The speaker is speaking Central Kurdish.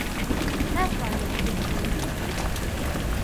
ناتوانن بتبینن.